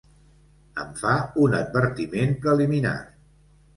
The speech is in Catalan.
Em fa un advertiment preliminar.